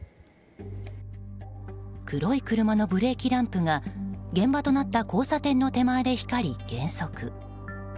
黒い車のブレーキランプが現場となった交差点の手前で光り減速。